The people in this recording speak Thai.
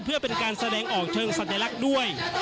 เพื่อเป็นการแสดงออกเชิงสัญลักษณ์ด้วย